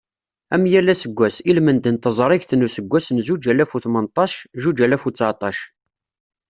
Am yal aseggas, i lmend n teẓrigt n useggas n zuǧ alaf u tmenṭac, zuǧ alaf u tteɛṭac.